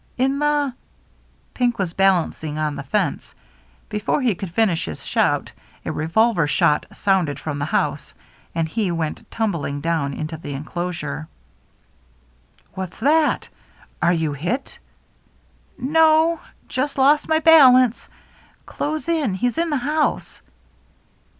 "In the —" Pink was balancing on the fence. Before he could finish his shout a revolver shot sounded from the house, and he went tumbling down into the enclosure. " What's that ! Are you hit ?" "No — just lost my balance. Close in — he's in the house."